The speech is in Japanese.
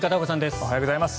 おはようございます。